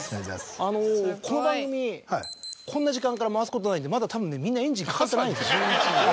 あのこの番組こんな時間から回すことないんでまだたぶんねみんなエンジンかかってないんですよ。